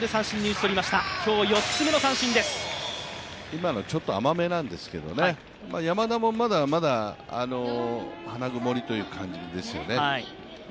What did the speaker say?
今の、ちょっと甘めなんですけど山田もまだまだ花曇りという感じですよね。